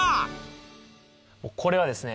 これはですね